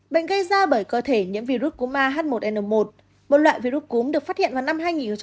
bệnh gây ra bởi cơ thể nhiễm virus cúm ah một n một một loại virus cúm được phát hiện vào năm hai nghìn một mươi